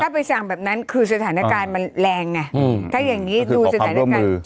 มันก็บอกดูขอดู